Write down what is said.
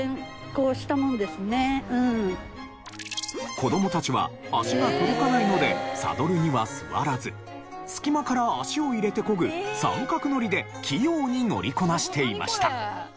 子供たちは足が届かないのでサドルには座らず隙間から足を入れて漕ぐ三角乗りで器用に乗りこなしていました。